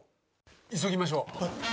急ぎましょう！